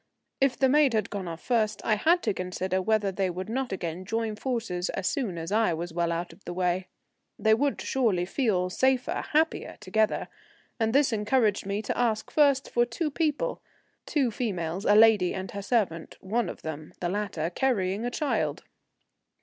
If the maid had gone off first, I had to consider whether they would not again join forces as soon as I was well out of the way. They would surely feel safer, happier, together, and this encouraged me to ask first for two people, two females, a lady and her servant, one of them, the latter, carrying a child.